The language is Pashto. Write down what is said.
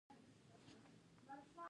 په اوړي کې انګور او خربوزې راځي.